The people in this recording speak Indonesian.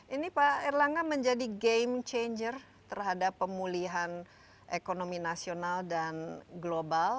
ini pak erlangga menjadi game changer terhadap pemulihan ekonomi nasional dan global